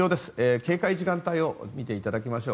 警戒時間帯を見ていただきましょう。